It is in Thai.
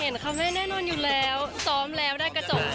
คำให้แน่นอนอยู่แล้วซ้อมแล้วได้กระจก